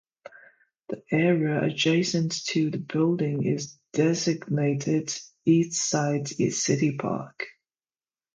The area adjacent to the building is designated Eastside City Park.